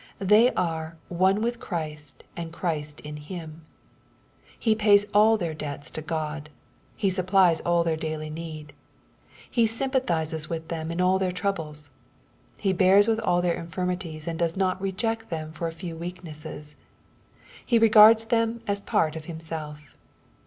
They are " one with Christ and Christ in^em.^' He pays all their debts to Q od. Ho supplies all iheij daily need. He sympathizes with them in all their troubles. He bears with all their infirmities, and does not reject them for a few weaknesses. He regards them asj^rt of Himself.